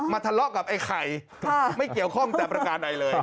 ทะเลาะกับไอ้ไข่ไม่เกี่ยวข้องแต่ประการใดเลย